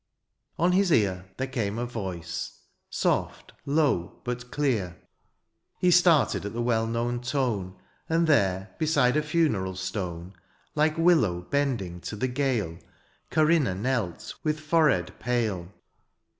— On his ear There came a voice, soft, low, but clear. He started at the well known tone ; And there, beside a funeral stone. Like willow bending to the gale, Corinna knelt, with forehead pale.